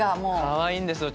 かわいいんですよ。